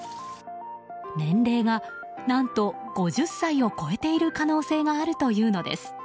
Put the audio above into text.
年齢が、何と５０歳を超えている可能性があるというのです。